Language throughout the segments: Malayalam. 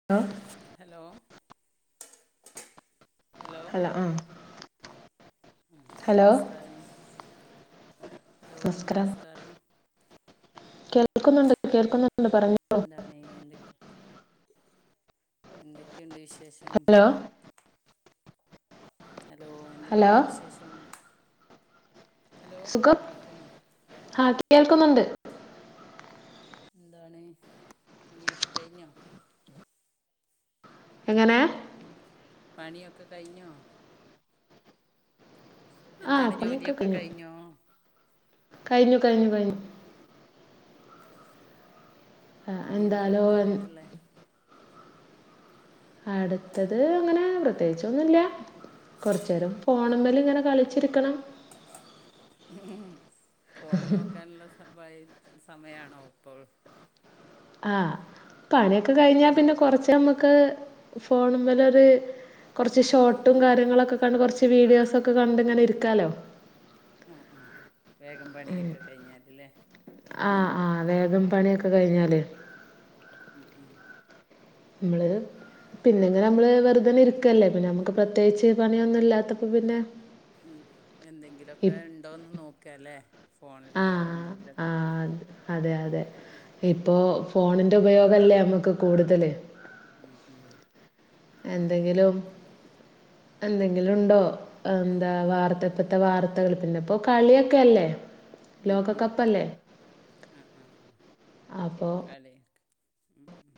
[unintelligible] ഹലോ ഹല. അ. ആ. നമസ്കാരം. ഹലോ. നമസ്കാരം കേൾക്കുന്നുണ്ട്. കേൾക്കുന്നുണ്ട്. പറയൂ. എന്താണ്. എന്തൊക്കെ. എന്തൊക്കെണ്ട് വിശേഷം. ഹലോ എന്തൊക്കെണ്ട് വിശേഷം. ഹലോ കേൾക്കുന്നൊ. ആഹ് കേൾക്കുന്നുണ്ട്. എന്താണ്. പണിയൊക്കെ കഴിഞ്ഞോ. എങ്ങനെ. പണിയൊക്കെ കഴിഞ്ഞോ. എന്താണ് ജോലിയൊക്കെ കഴിഞ്ഞോ. ഉം. ഉം. ഇനി എന്താ അടുത്തതായിട്ടുള്ളെ. അടുത്തത് അങ്ങനെ പ്രത്യേകിച്ചൊന്നുല്ല. കൊർചേരം. ഫോൺമല് ഇങ്ങനെ കളിച്ചിരിക്കണം. ഫോണ് നോക്കാൻള്ള സ സമയാണോ ഇപ്പോൾ. ആഹ് പണിയൊക്കെ കഴിഞ്ഞാ പിന്നെ കൊറച്ച് നമ്മക്ക് ഫോണ് മ്മലൊര്. കൊർച്ച് ഷോട്ടും, കാര്യങ്ങളൊക്കെ കണ്ട് കൊർച്ച് വീഡിയോസൊക്കെ, കണ്ട് ഇങ്ങനെ ഇരിക്കാലൊ. ആ. ആ. വേഗം പണിയൊക്കെ കഴിഞ്ഞാല് ലെ. ആഹ് ആഹ്. വേഗം പണിയൊക്കെ കഴിഞ്ഞാലെ. ഉം. ഉം. മ്മളൊരു പിന്നെ ഇങ്ങനെ ഞമ്മള് വെറുതനെ ഇരിക്കല്ലെ. പിന്നെ നമ്മക്ക് പ്രത്യേകിച്ച് പണിയൊന്നും ഇല്ലാത്തപ്പ പിന്നെ ഉം. എന്തെങ്കിലൊക്കെ ഇണ്ടോന്ന് നോക്കാല്ലെ. ഫോണില് എന്തെങ്കിലൊക്കെ? അതെ അതെ. ഇപ്പോ ഫോണിൻ്റെ ഉപയോഗല്ലെ നമുക്ക് കൂടുതല്. ഉം. ഉം. എന്തെങ്കിലും, എന്തെങ്കിലും ഉണ്ടോ എന്താ വാർത്ത ത്തെ വാർത്തകള്. പിന്നെ ഇപ്പോ കളിയൊക്കെല്ലെ ലോകകപ്പല്ലേ? ആഹ് ആഹ്. കളിക്. ഉം ഉം.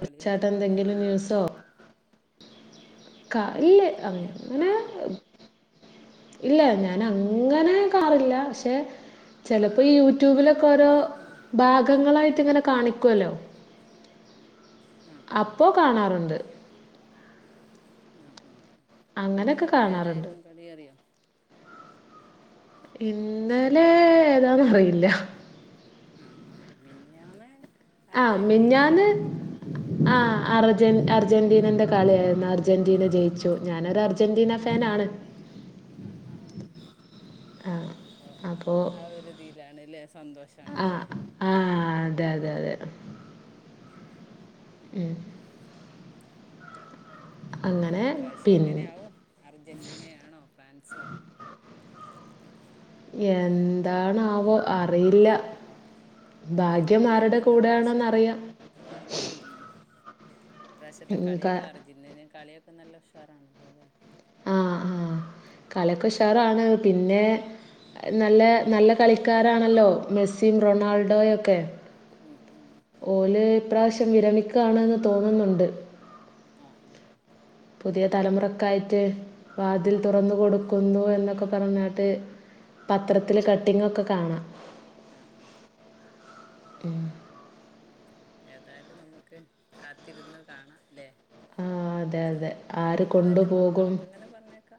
പുച്ചാട്ടെന്തെങ്കിലും ന്യൂസോ. കാ [unintelligible] ല്ല് അങ്ങനെ ഇല്ല. ഞാന് അങ്ങനെ കാറില്ല. ക്ഷെ ചെലപ്പോ ഈ യൂട്യൂബിലൊക്കെ ഓരോ ഭാഗങ്ങളായിട്ട് ഇങ്ങനെ കാണിക്കൊല്ലോ. ആഹ്. ആഹ്. ആഹ്. ആഹ്. ഇന്നലെ ഏതായിരുന്നു കളി അറിയോ? ഇന്നലെ ഏതാന്നറിയില്ല. അഹ അഹ മിഞാന്ന് അർജന്റീനണ് ന്നൊക്കെ പറ ആഹ അർജ അർജന്റീനന്റെ കളിയായിരുന്നു അർജന്റീന ജയിച്ചു ഞാനൊരു അർജന്റീന ഫാനണ്. അപ്പോ ആ ഒരുതിലാണ്ല്ലേ സന്തോഷണല്ലേ? ഉം ഈപ്രാവശ്യം എങ്ങനെയാവും അർജന്റീനയാണോ ഫ്രാൻസോ? എന്താണവൊ അറിയില്ല. ഭാഗ്യംമാരുടെ കൂടെണോന്ന്റിയാം. ഉം ഉം പ്രാവശ്യത്തെ കളിയൊക്കെ അറ ജീനിയൻ്റെകളിയൊക്കെ നല്ല ഉഷാറാണല്ലോ ല്ലേ? കളിക്കഷാറാണ് പിന്നെ നല്ല നല്ല കളിക്കാരാണല്ലോ മെസ്സി റൊണാൾഡോയൊക്കെ? ഉം ഉം ഓല് ഇ പ്രവശ്യം വിരമിക്കണെന്ന് തോന്നുന്നുണ്ട്. ആഹ് പുതിയ തലമുറക്കായിട്ട് വാതിൽ തുറന്ന കൊടു കൊന്നു എന്നൊക്കെ പറഞ്ഞട്ട് പത്രത്തില് കട്ടിങൊക്കെ കാണാ. ആഹ് ഏതായാലും നമുക്ക് കാത്തിരുന്ന് കാണാംല്ലേ ആഹ് അതെ അതെ ഇവിടെ അതന്നെ മക്കളൊക്കെങ്ങനെ പറഞ്ഞേക്കാ.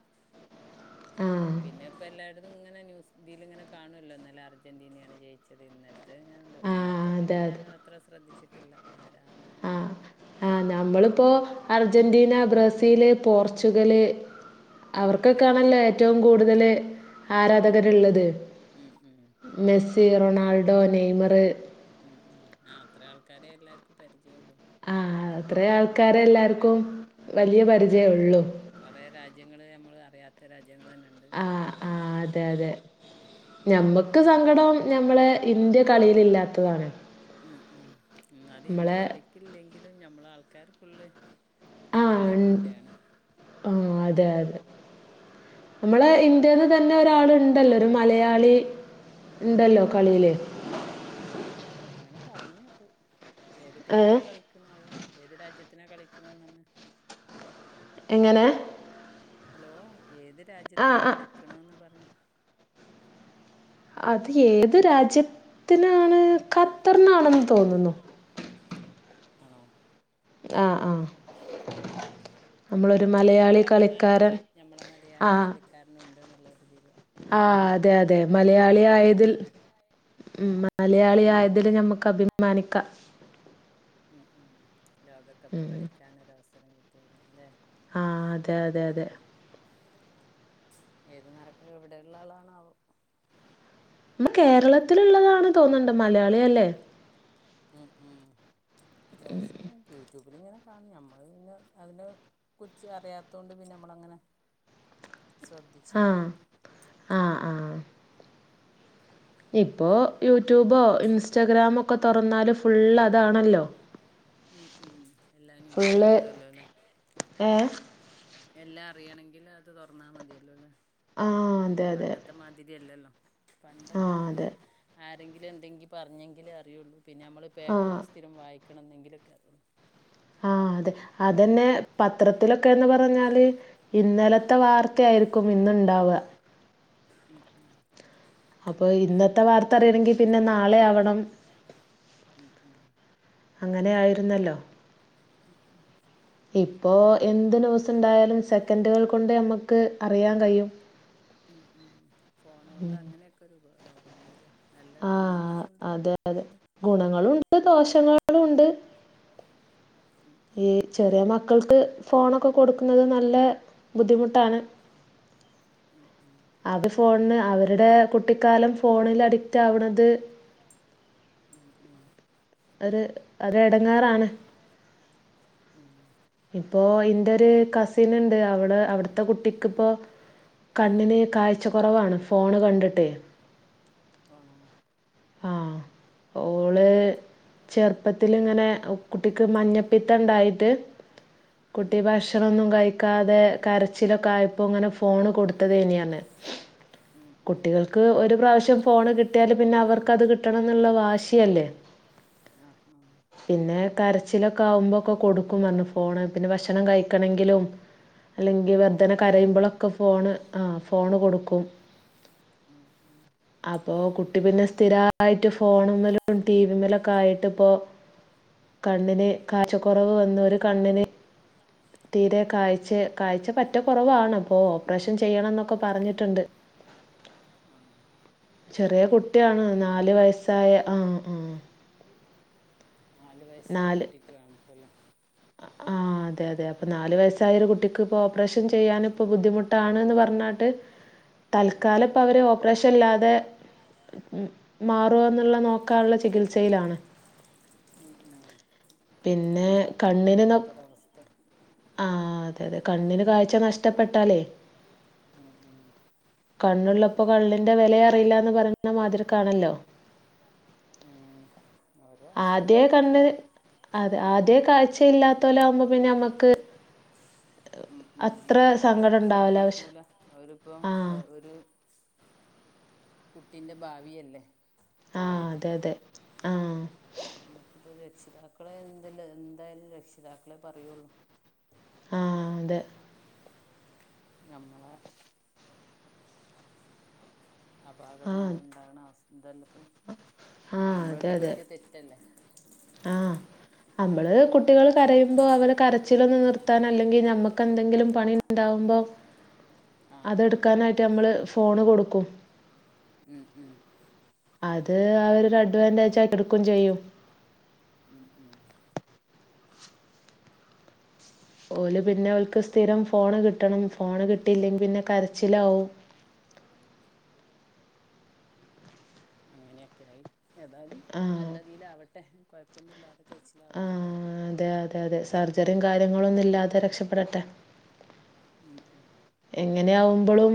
ആഹ് പിന്നെ ഇപ്പ എല്ലാരതും ഇങ്ങനെ ന്യൂസ് ഇതിൽ ഇങ്ങനെ കാണുല്ലോ ഇന്നലെ അർജന്റീനണ് ജയിച്ചത് എന്ന് ത് കൻണ്ടു ഇന്നത്തെ പിന്നെ ഞാൻ അത്ര ശ്രദ്ധിച്ചിട്ടില്ല ആരാണ് ന്നുള്ള ആഹ് നമ്മളിപ്പോ അർജന്റീന ബ്രസീല് പോർച്ചുഗല് അവർക്കൊക്കൊണല്ലോ ഏറ്റവും കൂടുതല് ആരാധകരുള്ളത്. Messi Ronaldo Neymar. ഉം ഉം ആ ഹ അത്ര ആൾക്കാരെ എല്ലാവർക്കും പരിചയം ഉള്ളു. ആഹ് അത്ര ആൾക്കാരെ എല്ലാവർക്കും വലിയ പരിചയള്ളൂ. കുറെ രാജ്യങ്ങള് നമ്മൾ അറിയാത്ത രാജ്യങ്ങളന്നെ ഇണ്ട് കുറേ അതെ അതെ ഞമ്മക്ക് സങ്കടം നമ്മളെ ഇന്ത്യ കളിയിൽ ഇല്ലാത്തതാണ്. ഉം ഉം ന്നാല് ഇന്ത്യ കളിക്കില്ലെങ്കിലും ഞമ്മള ആൾക്കാര് ഫുള്ള് കളിന്റെ കൂടെണ്. ആഹ് അതെ അതെ നമ്മള ഇന്ത്യന്ന് ത ന്നെ ഉണ്ടല്ലോ ഒരു മലയാളി ഇണ്ടല്ലോ കളിയില് ആഹ് ആഹ് അങ്ങനെ പറ്ഞ്ഞെട്ടു ഏത് ടീമിനാ കളിക്ണാവോ ഏത് രാജ്യത്തിനാ കളിക്ണെന്ന് പറ്ഞ്ഞെ എങ്ങനെ ഹലോ ഏത് രാജ്യത്തിനാ കളിക്ണന്ന് പറ്ഞ്ഞ അത് ഏത് രാജ്യത്തിനാണ് ഖത്തറിനാണെന്ന് തോന്നുന്നു ആണോ ഉം ഉം ആഹ് അപ്പ ഞമ്മക്ക് അഭിമാനിക്കാം ഞമ്മളെ മലയാളി കളിക്കാരനുണ്ട് ന്നുള്ളതില് ആഹ് അതെ അതെ മലയാളി ആയതിൽ ഉം മലയാളി ആയതില് ഞമ്മക്ക് അഭിമാനിക്കാം ഉം ഉം ലോകകപ്പ് കളിക്കാനോരവസരം കിട്ടിരുന്നല്ലേ ആഹ് അതെ അതെ അതെ ഏത് നാട്ടിൽ എവിടെള്ള ആളാണാവോ മ്മ കേരളത്തില്ള്ളതാണ് തോന്ന്ണ്ട് മലയാളിയല്ലേ ഉം ഉം ന്യൂസ് യൂട്യൂബില്ങ്ങനെ കാണും ഞമ്മള്ങ്ങെ അതിനെ കുറ്ച്ച് അറിയാത്തോണ്ട് പിന്നെ നമ്മളങ്ങനെ ആഹ് ആഹ് ആഹ് ഇപ്പോ യൂട്യൂബോ ഇൻസ്റ്റഗ്രാമൊക്കെ തൊറന്നാല് ഫുള്ള് അതാണല്ലോ ഉം ഉം എല്ലാ ന്യൂസും കിട്ടോലൊലെ ഏഹ് എല്ലാ അറിയണെങ്കില് അത് തൊറ്ന്നാ മതിയല്ലൊലെ പണ്ടത്തെ മാതിരിയല്ലല്ലൊ പണ്ടൊക്കെ നമ്മക്ക് ആരെങ്കിലും എന്തെങ്കി പറഞ്ഞെങ്കിലേ അറിയൊള്ളു പിന്നെ നമ്മള് പേപ്പറ് സ്ഥിരം വായിക്കണം എന്നെങ്കിലൊക്കെ അറിയുള്ളു ആഹ് അതെ അതന്നെ പത്രത്തിലൊക്കേന്ന് പറഞ്ഞാല് ഇന്നലത്തെ വാർത്തായിരിക്കും ഇന്ന്ണ്ടാവ ഉം ഉം അപ്പൊ ഇന്നത്തെ വാർത്ത അറിയണെങ്കി പിന്നെ നാളെ ആവണം ഉം ഉം അങ്ങനെ ആയിരുന്നല്ലൊ ഉം ഉം ഇപ്പോ എന്ത് ന്യൂസ്ണ്ടായാലും സെക്കൻഡുകൾ കൊണ്ട് നമ്മക്ക് അറിയാൻ കഴിയും ഉം ഉം ഫോണ് കൊണ്ട് അങ്ങനെയൊക്കെ ഒരുപയോഗംണ്ട്ലെ നല്ല ഗുണങ്ങളൂണ്ട് അതെ ഗുണങ്ങളുണ്ട് ദോഷങ്ങളൂണ്ട് ഈ ചെറിയ മക്കൾക്ക് ഫോണൊക്കെ കൊടുക്കുന്നത് നല്ല ബുദ്ധിമുട്ടാണ് ഉം ഉം അത് ഫോണ്ന് അവര്ടേ കുട്ടിക്കാലം ഫോണില് അഡിക്റ്റാവ്ണത് ഉം ഉം ഒര് അതെടങ്ങേറാണ് എടങ്ങേറാണ് ഉം ഇപ്പോ ഇന്റൊര് കസിന്ണ്ട് അവിടെ അവിട്ത്തെ കുട്ടിക്ക്പ്പൊ കണ്ണിന് കാഴ്ച കൊറവാണ് ഫോണ് കണ്ടിട്ടെ ആണോ ഓള് ചെറ്പ്പത്തില് ഇങ്ങനെ കുട്ടിക്ക് മഞ്ഞപ്പിത്തണ്ടായിട്ട് കുട്ടി ഭഷ് ഷണൊന്നും കഴിക്കാതെ കരച്ചിലൊക്കെ ആയപ്പൊങ്ങനെ ഫോണ് കൊട്ത്തതേന് അന്ന് കുട്ടികൾക്ക് ഒര് പ്രാവശ്യം ഫോണ് കിട്ടിയാല് പിന്നെ അവർക്കത് കിട്ടണംന്ന്ള്ള വാശിയല്ലെ ആഹ് ആഹ് പിന്നെ കരച്ചിലൊക്ക ആവുമ്പൊക്കെ കൊടുക്കും പറ്ഞ്ഞു ഫോണ് പിന്നെ ഭക്ഷണം കഴിക്കണെങ്കിലും അല്ലെങ്കി വേർദന കരയുമ്പളൊക്കെ ഫോണ് ആഹ് ഫോണ് കൊടുക്കും ആഹ് ആഹ് അപ്പൊ കുട്ടി പിന്നെ സ്ഥിരായിട്ട് ഫോ ഫോണമ്മലും ടീവിമ്മലൊക്കെ ആയിട്ട് ഇപ്പോ കണ്ണിന് കാഴ്ചക്കൊറവ് വ കാഴ്ചക്കൊറവ് വന്നു ഒരു കണ്ണിന് തീരെ കായ്ചെ കാഴ്ച പറ്റെ കൊറവാണ് ഇപ്പോ ഓപ്പറേഷൻ ചെയ്യണംന്നൊക്ക പറഞ്ഞിട്ട്ണ്ട് ആഹ് ചെറിയ കുട്ടി ണ് നാല് വയസ്സായ ആഹ് ആഹ് നാല് വയസ്സായ കുട്ടിക്ക് കാണത്തില്ലേ ആഹ് അതെ അതെ അപ്പൊ നാല് വയസ്സായൊരു കുട്ടിക്ക് ഇപ്പോ ഓപ്പറേഷൻ ചെയ്യാന് ഇപ്പോ ബുദ്ധിമുട്ട് ബുദ്ധിമുട്ടാണ് എന്ന് പറഞ്ഞാട്ട് തൽക്കാലം ഇപ്പോ അവർ ഓപ്പറേഷൻ ഇല്ലാതെ മാറുവോ എന്നുള്ള നോക്കാ ക്കാനുള്ള ചികിത്സയിലാണ് ഉം ഉം എന്താപ്പൊ വല്ലാത്തൊരു അവസ്ഥ ആഹ് അതെ അതെ കണ്ണിന് കാഴ്ച നഷ്ടപ്പെട്ടാലേ കണ്ണുള്ളപ്പോ കണ്ണിന്റെ വില അറിയില്ലെന്ന് പറഞ്ഞ മാതിരി കാണല്ലോ ഉം ഓരോ അസുഖം വരുന്നു അതെ ആദ്യേ കാഴ്ചയില്ലാത്തോലാകുമ്പോ പിന്നെ നമുക്ക് ഉം ഉം നമ്മളിപ്പോ അതൊന്നും ശ്രദ്ധിക്കൂല അവരിപ്പോ ഒര് കുട്ടിൻ്റെ ഭാവിയല്ലേ ആഹ് അതെ അതെ ആഹ് നമുക്കപ്പോ രക്ഷിതാക്കളെ എന്തിലും എന്തായാലും രക്ഷിതാക്കളെ പറയുള്ളൂ ആഹ് അതെ നമ്മളെ അപാകത മൂലം ഉണ്ടാകുന്ന അവസ് ഇതെല്ലെ ഇപ്പൊ ഇത് അമ്മളെടുത്ത് പറ്റിയ തെറ്റല്ലേ ആഹ് നമ്മള് കുട്ടികള് കരയുമ്പോ അവര് കരച്ചിലൊന്ന് നിർത്താൻ അല്ലെങ്കിൽ നമ്മുക്ക്ന്തെങ്കിലും പണി ണ്ടാകുമ്പോ അതെടുക്കാനായിട്ട് നമ്മള് ഫോണ് കൊടുക്കും ഉംഉം അത് അവര് ഒരു അഡ്വാൻൻ്റേജ് ആയി എടുക്കും ചെയ്യും ഉം ഉം ഓല് പിന്നെ അവർക്ക് സ്ഥിരം ഫോണ് കിട്ടണം ഫോണ് കിട്ടിയില്ലെങ്കിൽ പിന്നെ കരച്ചിലാകും അങ്ങനെയൊക്കെയ ആായി ഏതായാലും നല്ല ഇതിൽ ആവട്ടെ കുഴപ്പൊന്നും മില്ലാതെ കഴിച്ചിലാവട്ടെ ല്ലേ അതെ അതെ സർജറിയും കാര്യങ്ങളൊന്നും ഇല്ലാതെ രക്ഷപ്പെടട്ടെ ഉം ഉം എങ്ങനെയാവുമ്പോളും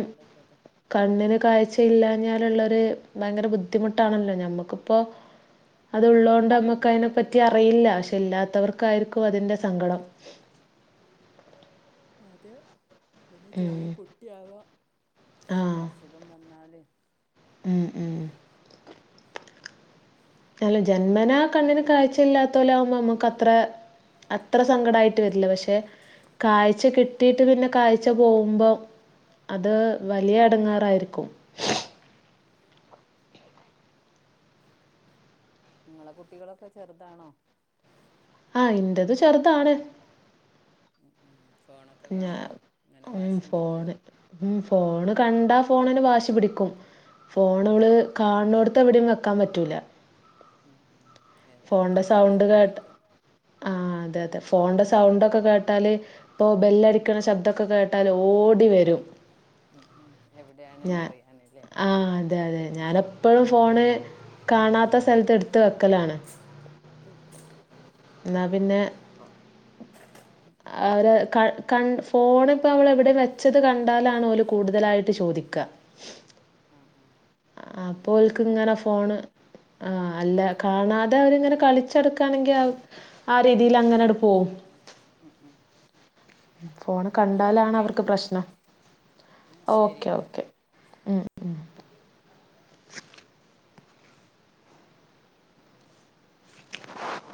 കണ്ണിന് കാഴ്ച ഇല്ലഞ്ഞാലുള്ളൊരു ഭയങ്കര ബുദ്ധിമുട്ടാണല്ലോ ഞമ്മക്ക് ഇപ്പോ അത്ള്ളോണ്ട് നമ്മക്ക് അതിനെ പറ്റി പറ്റി അറിയില്ല പക്ഷെ ഇല്ലാത്തവർക്കായിരിക്കും അതിൻ്റേ സങ്കടം അതെ പിന്നെ ചെറിയ കുട്ടിയാവാ അസുഖം വന്നാല് ഉം ഉം അല്ല ജന്മനാ കണ്ണിന് കാഴ്ചയില്ലാത്തോല് ആകുമ്പോ നമ്മുക്ക് അത്ര അത്ര സങ്കടായിട്ട് വരില്ല പക്ഷെ കാഴ്ച കിട്ടിയിട്ട് പിന്നെ കാഴ്ച പോകുമ്പോ അത് വലിയ എടങ്ങാറായിരിക്കും നിങ്ങളെ കുട്ടികളൊക്കെ ചെറുതാണോ ആഹ് ഇൻൻ്റത് ചെറുതാണ് മം ഫോണൊക്കെ കാണോ അങ്ങനെ വാശി പിടിക്കോ ഉം ഫോൺ കണ്ടാ ഫോണിന് വാശി പിടിക്കും. ഫോണുകള്കാണുന്നോട്ത്ത് എവിടെയും വെക്കാൻ പറ്റൂല്ല. ഉം ഉം ഏതായാലും നല്ലോണ്ണം ശ്രദ്ധിക്ക ആഹ് അതെ അതെ ഫോണ്ന്റെ സൗണ്ടൊക്കെ കേട്ടാല് ഇപ്പോ ബെല്ലടിക്കുന്ന ശബ്ദൊക്കെ കേട്ടാല് ഓടി വെരും. ഞ ആഹ് അതെ അതെ ഞാനൊ ഇപ്പോഴും ഫോണ് കാണാത്ത സ്ഥല്ത്ത് ഇട്ത്ത് വെക്കലാണ്. ഉം ഉം ഇന്നാ പിന്നെ ഉം അവർ ക കൺ ഫോൺ ഇപ്പോ അവള്എവിടേം വെച്ചത് കണ്ടാലാണ് ഓല് കൂടുതലായിട്ട് ചോദിക്ക. ആഹ് ആഹ് അപ്പോ ഓല്ക്ക്ങ്ങനെ ഫോണ് ആഹ് അല്ല കാണാതെ അവരിങ്ങനെ കളിച്ചു നടക്കാണെങ്കിൽ ആ രീതിയിലങ്ങനെണ്ട് പോകും. ആഹ് ആഹ് അന്നാല് ഒക്കെ ശരി.